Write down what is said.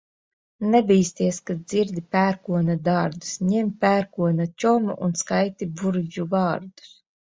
Nebīsties, kad dzirdi pērkona dārdus, ņem pērkona čomu un skaiti burvju vārdus.